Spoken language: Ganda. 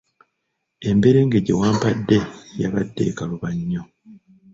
Emberenge gye wampadde yabadde ekaluba nnyo.